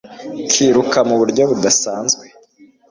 kiruka mu buryo budasanzwe